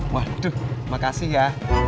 waduh makasih ya